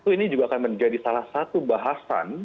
ini juga akan menjadi salah satu bahasan